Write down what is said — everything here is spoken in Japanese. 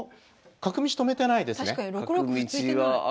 角道止めてないですね。